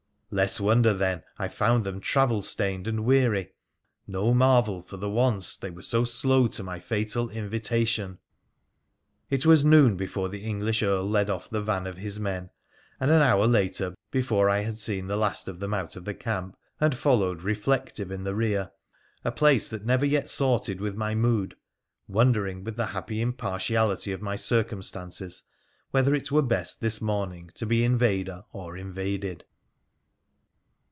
Less wonder, then, I found them travel stained and weary, no marvel for the once they were so slow to my fatal invitation. It was noon before the English Earl led off the van of his men, and an hour later before I had seen the last of them out of the camp and followed reflective in the rear — a place that never yet sorted with my mood — wondering, with the happy impartiality of my circumstances, whether it were best this morning to be invader or invaded.